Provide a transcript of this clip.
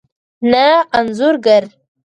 نه انځور ګر